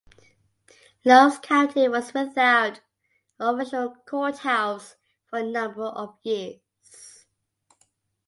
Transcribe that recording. Lowndes County was without an official courthouse for a number of years.